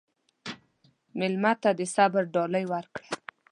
مېلمه ته د صبر ډالۍ ورکړه.